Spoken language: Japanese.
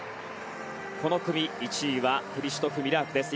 この組１位はクリシュトフ・ミラークです。